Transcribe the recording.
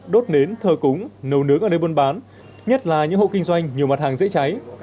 đốt nến thờ cúng nấu nướng ở nơi buôn bán nhất là những hộ kinh doanh nhiều mặt hàng dễ cháy